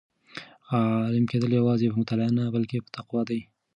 عالم کېدل یوازې په مطالعې نه بلکې په تقوا دي.